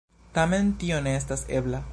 Tamen tio ne estas ebla.